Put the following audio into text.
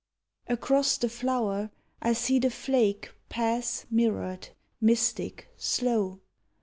Across the flower I see the flake Pass mirrored, mystic, slow.